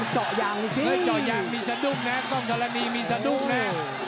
เจาะยางดูสิเจาะยางมีสะดุ้งนะกล้องธรณีมีสะดุ้งแน่